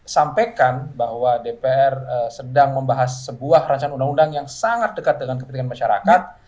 sampaikan bahwa dpr sedang membahas sebuah rancangan undang undang yang sangat dekat dengan kepentingan masyarakat